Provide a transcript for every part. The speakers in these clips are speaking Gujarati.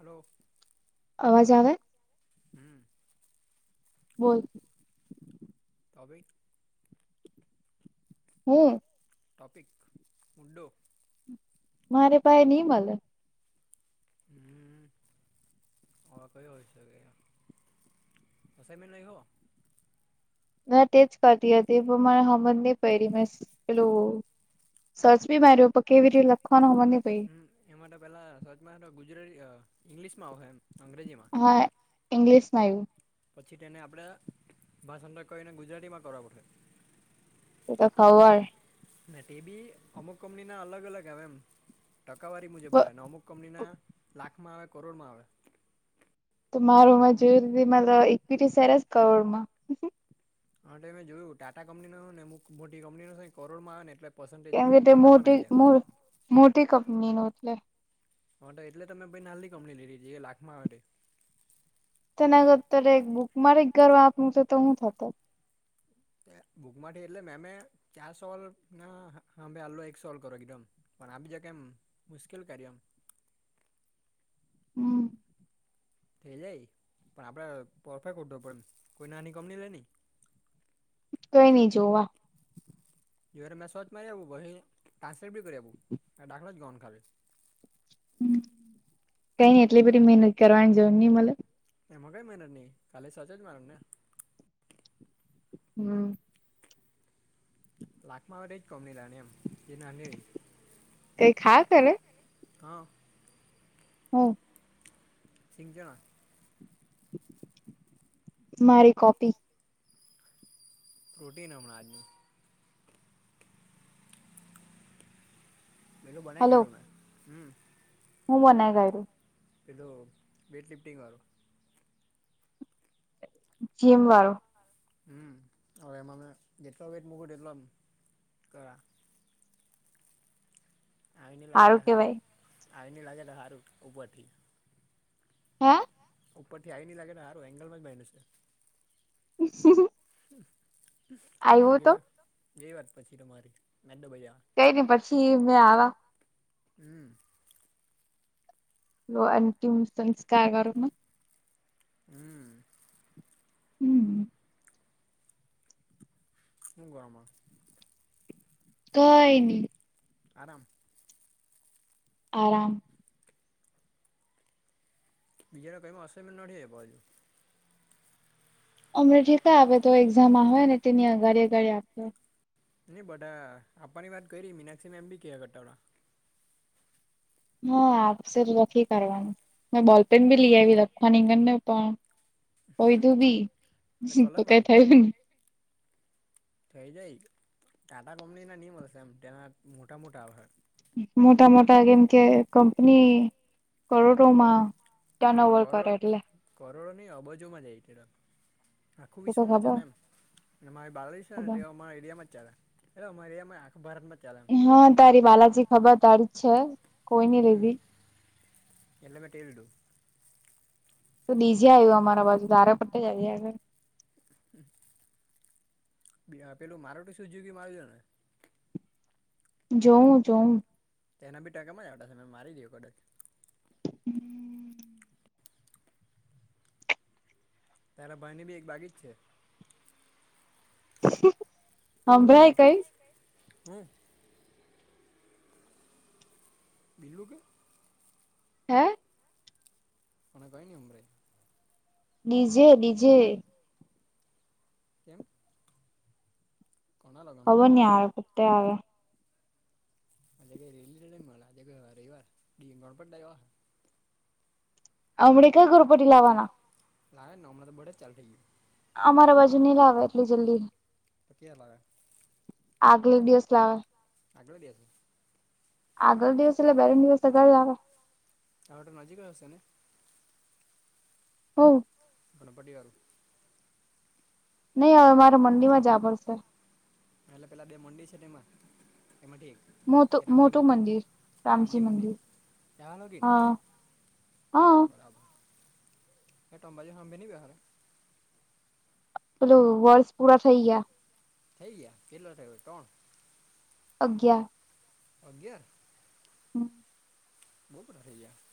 હલો અવાજ આવે હમ બોલ તમે હમ ટોપિક ઉડો મારે ભાઈ નિનીમલ હ ઓ કોઈ હોય શકે દસી મ લહી હો ના તેજ કરતી હતી પણ મને સમજ નહી પ મે પેલું. સરસ બી માર્યો પ કેવી રતે લખવાનું હોવા ની પ. હમ એ માટે પેલા સચમાં ગુજરાતી ઈંગ્લિશમાં આવશે એમ અંગ્રેજીમાં? હા, ઇંગ્લિશ ના પછી તેને આપણે ભાષાંતર કરીને ગુજરાતીમાં કરવા પડે. એ તો ખવાર. ના તે બી અમુક કંપની ના અલગ અલગ આવે એમ. ટકાવારી મુજબ આવે અને અમુક કંપનીના લાખમાં આવે કરોડમાં આવે. તો મારુંમાં જોયીધી મત ઈક્વિટી સસ કરવોડ માં. હા મેં જોયું ટાટા કંપની નો નેમુ મોટી કંપની નો છે કરોડમાં આવે ને એટલે. કેમ પસેજમાં કે તે ટકામાં ના મોટી જાય. મો મોટી કંપની નો હોટલે હ, એટલે તમે ભાઈ નાની કંપની લીધી છે કે લાખમાં માટે? તેના કરતાં અત્યારે એક બુક મારે ઘર વાપવું છે, તો હું થતો બુક માંથી એટલે, મેમે ક્યા, સોલ્વ અમે હલો. એક સોલ્વ કરો, એકદમ. પણ આ બીજા કેમ મુશ્કેલ કાર્યો હમ. થઈ જાય પણ આપણે પરફેક્ટ હો, હતું, પણ કોઈ નાની કંપની લે નહીં. કંઈ નઈ જોવા. જોઈએ તો, મેં મારી આપું, પછી મેં ટ્રાન્સલેટ બી કરું, આપું. દાખલો જ ગણવાનો, ખાલી કઈ નઈ એટલી બધી મહેનત કરવાની જોવ નથી. એ મા કંઈ મહેનત ની ખાલી સચ જ કરવાનું ને. હમ. લાખમાં વધે જ કમનીલાને, એમ એ ના, ન. કઈ ખા કરે હા. હમ. શિજણ. મારી કોપી. પ્રોટીન હમણા આજની પેલું બનાઈ હલો કરું મેં હમ. હું બનાઈ કાયરી? એલો, વેઇટ લિફ્ટિંગ વાર. જીમ વાળો. હમ, હવે એમાં મે જેટલો વેટ મૂક તેટલો એમ કરે. ‌ આવી ની સારું લાગે, કેવાય હારું, આવી ન લાગે તો હારું ઉપરથી. હા. ઉપરથી આવી નહીં લાગે ને, સારું એગંલમાં જ બાંધ્યું છે. [unintelligible] આવ્યું આવી તો ગયો જે વાત પછી તમારી, મે તો ભાઈ. કઈને પછી મેં આવા. હમ. હલો, અંતિમ સંસ્કારારમાં. હમ. હમ. શું ગમે? કંઈ ની. આરામ. આરામ. બીજા કઈ મા અસાઈમેન્ટ નથી આપ્યા હજુ. અમારે થી કા આપે? એક્ઝામ આવે ને તેની અગાળી- અગાળી આપે. નહીં, બધા આપવાની વાત કરી મીનાક્ષી મેમ એમ બી કીઆ કરતા હતા. હા, આપશે. નથી કરવાનું. મે બોલપેન ભી લઈ આવી, લખવાની ગની ને પણ કોઈધું બી એને કલર તો કઈ વાળી થયું ને થઇ જાય, ટાટા કંપની ના નિયમ હશે એમ, તેના મોટા મોટા મોટા મોટા કેમ કે કંપની બહુ કરોડોમાં ટર્ન ઓવર કરે કરોડ એટલે કરોડો નહીં, અબજોમાં જાય તે. આખું તો તો વિશ્વમાં ખબર ચાલે એમ. મારી બાવળી છે ને, ખબર તેઓ અમારા એરિયામાં જ ચાલેને. હ અમારી આમાં આખબાર માં ચાલે એમ હા તારી બાલાજી ખબર તારી છે કોઈ નઈ હમ લીધી એટલે મેં ટેલડું તો ડીજા આવ્યું અમારા [unintelligible] બાજુ તારે પટ્ટે જજ.. હમ [inaudible] પેલું મારુતિ સુઝુકી [unintelligible] જોઉ જોઉ તેના બીટા કમાં જ આવ્યા છે મેં મારી દું કદાચ [inaudible] તારા બા ની ભી એક બાકી જ છે હ [inaudible] અને એક જ હમ બિલુંગ [unintelligible] હે અમે કઈ નહીં સંભળાય ડીજે ડીજે કેમ કોના લગન હવે હમણાં નિ આવે પોતે આવે આજે ઈ રેલી [unintelligible] ર આજે રવિવાર [unintelligible] ગણપવા અમ ડી ક ગરુપટી લાવવાના ફલા નવમલા તો બડે ચાલ ઠી ગયો અમારા બાજુ નઈ લાવે એટલી જલ્દી કેમ આવ્યા આગલે દિવસ લાવવા આગળો દિવસ આગળ દિવસ બેરે દિવસ તો [unintelligible] ગરે આવે એમ તો નજીક હશે ને ઓ પણ બડી વાારું નહી હવે મારે મંડી માં જાવુ પડશે એટલે પેલા બે મુંડી છે તેમાં એમાંથી એ રામજી મંદિર એ રામજી મંદિર [unintelligible] ન હા હા ન બરાબર હ તંબાજી સાાભે ન વ હાર [inaudible] પેલુ વર્ષ પૂરા થઈ ગયા થઈ ગયા કેટલો થયો ત્રણ અગિયાર અગિયાર હમ [inaudible] બહુ બરા થ ગાર [inaudible]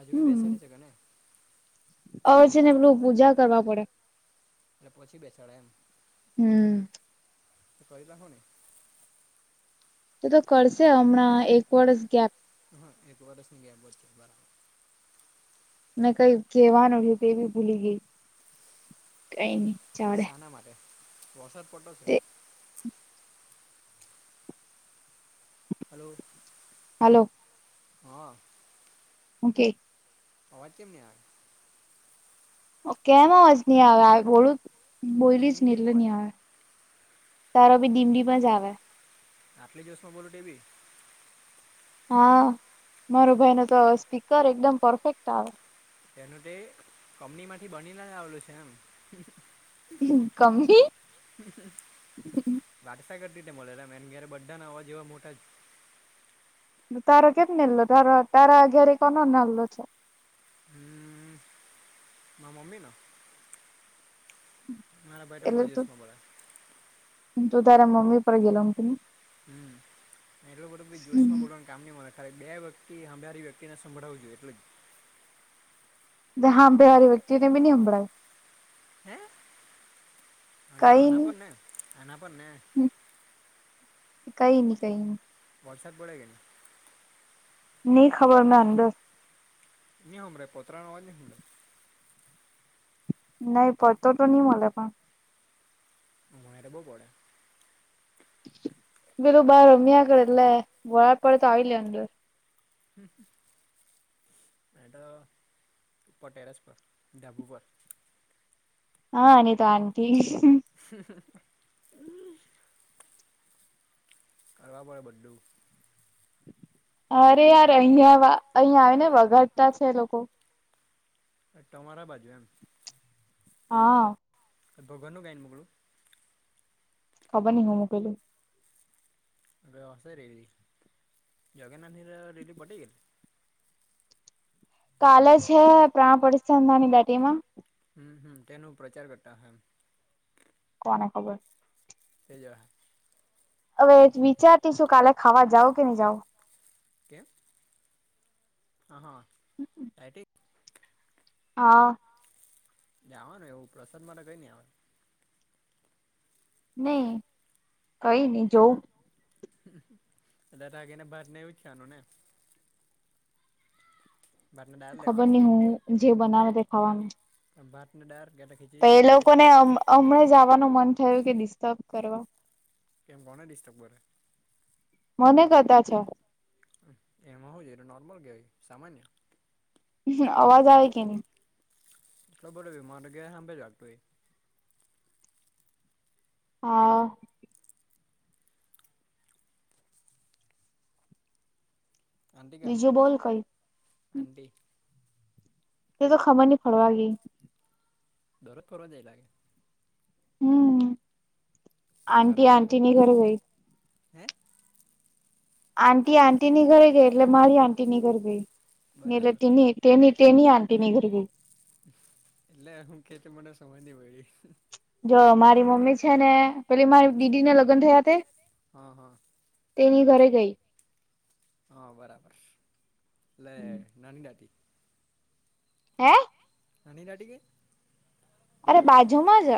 અજુ બી બેસાડી શકાય ને અવે છે ને પેલું પૂજા કરવા પડે એટલે પછી બેસાડાય એમ હમ [unintelligible] તો તો કરશે હમણાં એક વર્ષ ગેપ હા એક વરસ ની ગેબજ [unintelligible] બરાબર ને કઈ કહેવાનું તે બી ભૂલી ગઈ કઈ નઈ ચાલે સાના માટે તે [unintelligible] [unintelligible] હલો હલો હા ઓકે અવાજ કેમ ને આવે કેમાં અવાજ ની આવે આ બોલું બોયલીજ ડીમ ની ડીમ એટલે અવાજ ની આવે તારો ભી દિન દિન મજ આવે આટલી જોશમાં બોલુ તે ભી હા મારો ભાઈ નો તો સ્પીકર એકદમ પરફેક્ટ આવે તેનું તે કંપની માંથી બની નેજ આવેલું છે એમ હમ્મ કંપની વારસાગત તી તે મળેલા એમ ઘેરે બધા ના અવાજ એવા મોટા જ તારો કેમ નીલો તારો તારા અ ઘરે કોનો નાનલો છે હમ્મ મારા મમ્મી નો મારા ભાઈ તો બો એટલે તું જોસમાં બોલે તું તારે મમ્મી પર ગેલો એમ કે ની હમ્મ એટલો બડો બી જોશમાં બોલોનું કામ નહી મળે ખરે બે વ્યક્તિ અંભારી વ્યક્તિને સંભળું જોઈએ એટલે જ જે હાભે વાલી વ્યક્તિ ને ભી ની હમભળાય આતો કઈ આના ની પરને આના પરને [inaudible] કઈ ની કઈ ની વોટ્સઅપ પડે કે નને ની ખબર મન તો ની હમ્બડાઈ પોતરા નો અવાજ ની હમ્બડાય નહી પતો તો નહી મલે પણ મારે બો બડે પેલુ બાર રમ્યાગળે એટલે વરહાદ પડે તો આવી લે અંદર મેતો ઉપર ટેરસ પર ડાબુ પર હા નીતો આન્ટી [unintelligible] કરવા પડે બધૂ અરે યાર અહં અહિયાં આવે ને વગાડતા છે લોકો હ તમારા બાજુ એમ હા ભગવાન નુ ગાયન મોકલેલું ખબર ની હું મોકલુ અ હશે રેલી જગન્નાથ ની રેલી પટે ગેલી કાલે છે પ્રાણ પતિસ્થાની નાની દાટી માં હમ્મ હમ્મ તેનો પ્રચાર કરતા હમ્મ કોને ખબર તેજ અહે હવે વિચારતીશું કાલે ખાવા જાવ કે નહી જાાવ કે હા હા ડાયટિંગ હા જાવાનું એવું પ્રસાદ મા તો કઈ નહીં આવે નહી કઈ નહી જોઉ તા જાયને ભાત ને આવુજ ખાવાનું ને ભાતને દાળ ખબર લેવાનું નહી હું જે બનાવે તે ખાવાનું ભાત ને દાળ કે પછી તો એ લોકોને હમણાં જવાનું મન થયું કે ડિસ્ટર્બ કરવા કેમ કોને ડિસ્ટર્બ કરે મને કરતા છે. એમાં હો છે એતો નોર્મલ કેવાય સામાન્ય હ અવાજ આવે કે ની? બોલો માગ હભે જ વાગતું હોય હા આટી કા હે બીજું બોલ કઈ આટી એ તો ખબર નહિ ફરવા ગેઈ દરોજ ફરવા જાય લાગે હમ તારે આંટી બી જાવ આંટી ની ઘરે ગઈ હે આટી આંટીની ઘરે ગઈ એટલે મારી આંટીની ઘરે ગઈ ને એટલે બરાબર તેની તેની તેની આન્ટી ની ઘરે ગઈ એટલે હું કેઈ છે મને સમજ નહીં પડી જો મારી મમ્મી છે ને પેલી મારી દીદીને લગ્ન થયા તે હા હા તેની ઘરે ગઈ હા બરાબર એટલે નાની દાટી હે નાની દાડી કે અરે બાજુમાં જ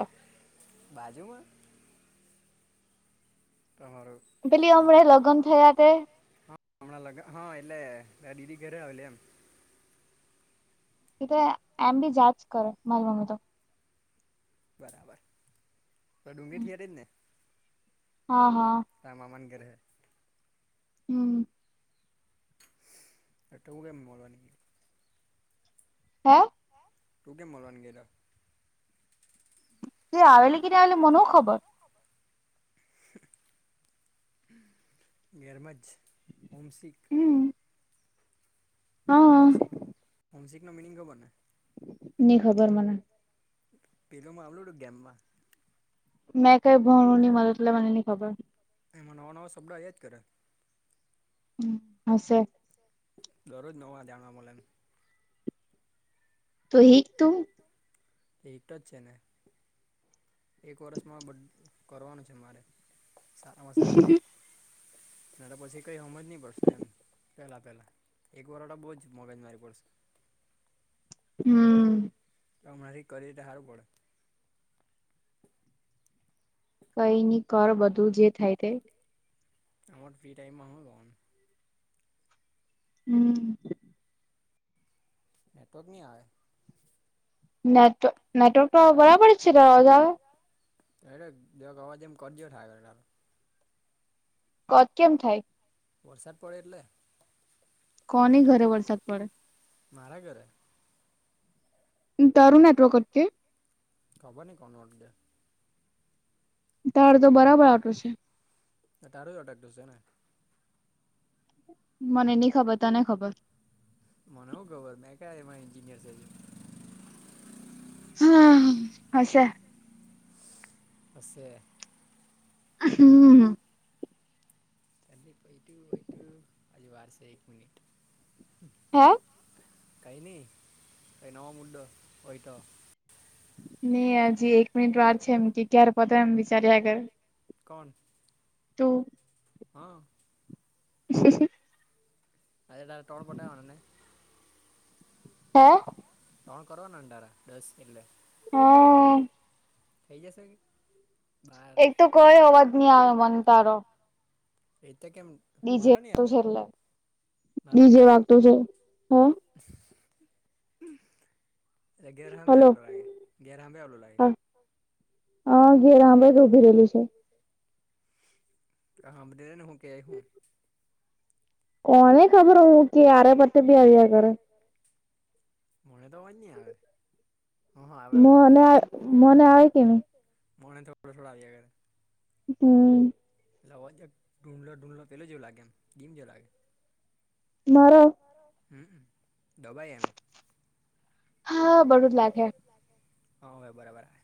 બાજુમાં તમારો પેલી હમણાં લગ્ન થયા તે હા હમણાં લગ હા એટલે દીદી ઘરે આવેલી એમ તી તો એમ બી જાચ કરે મારી મમ્મી તો બરાબર તો ડુંગી થીયરી જ ને હા હા તારા મામાના ઘરે હમ અ તું કેમ મળવા ની ગેઈલ? હે? તું કેમ મળવા ની ગેઈ તા? તે આવેલી કેદાડ ની મને હું ખબર ગેરમાજ છે હોમ શીખ હમ હા હોમશીક હોમશીક નો મિનિંગ ખબર ને? ની ખબર મને પેદોમાં આવેલું હતું ગેમમાં મેં કઈ ભણુ ની મલે એટલે મને ની ખબર એમાં નવા નવા શબ્દ આવ્યા જ કરે હ હશે ઘરરોજ નવા જાણવા મલે એમ તો હીખ તું એટ જ છેને એક વર્ષમાં બદ કરવાનું છે મારે સારામાં સારું નેતો પછી કઈ હમજ નહી પડશે એમ પેલા પેલા એક વરહ તો બહુ જ મગજમારી પડશે હમ તો હમણાથી કરીએ તો હારું પડે. કઈ ની કર બ ફ્રી ટાઈમ માં [unintelligible] હમ નેટવર્ક ની આવે. નેટવક નનેટવર્ક તો બરાબર છે. અવાજ આવે? અ બે અવાજ એમ કરજયો થાય. કથ કેમ થાય? વરસાદ પડે એટલે. કોની ઘરે વરસાદ પડે? મારા ઘરે. તરુણ એટવર્ક કે? ખબર નને કો નલે? તાડ તો બરાબર આટો છે. તારું અટકર્ટું છે ને? મને નહ ખબર તને ખબર? મનેવ ગબર મે ક એમાં એન્જિનિયર કર્યૂ. હા હશે પ [inaudible] હમ તલી વૈટું વૈટું અજવાર છે એક મિનિટ. હા કઈ નહી કઈ નવા મુદ્દો હોય તો? હજી એક મિનિટ વાર છે એમ કે ક્યારે પતા એમ વિચાર્યાગર? કોન? તો? હા શ [inaudible] અરે ડાક ટઉણ પોટેવા વાણ ને? હા તણ કરવાના અઢારા દસ એટલે હા થઈ જશે કે? બાર એક તો કઈ અવાજ નહી આવે મને તારો? રટ કેમ? બીજે મારો નહી વા આવે છે એટલે બીજે વાગત છે. હ ગેર હમે હલો અલો લાગે ગેર હમે અલોગ લાગે? હ ઘેર હામે જ ઉભી રહેલી છે. હા બધરેને હો કે આ હું? કોને ખબર હું કેયાર પતે પી આવી્યા ઘરે? મને તો અવાજ નહી આવે હ હ આવે આવે મને બરાબર મને આવે કે નહી મને થોડા થોડા આ આવી કરે. હમ પેલે અવાજ ુંઢલો ઢુંઢલો પેલો જેવું લાગે એમ ગીમ લાગે? મારો હમ્મ, દબાઈ એમ. હા, બરું હા, હવે બરાબર હે.